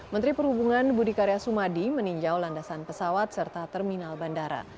menteri perhubungan budi karya sumadi meninjau landasan pesawat serta terminal bandara